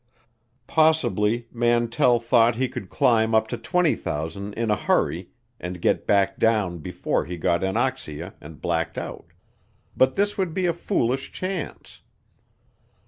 Possibly Mantell thought he could climb up to 20,000 in a hurry and get back down before he got anoxia and blacked out, but this would be a foolish chance.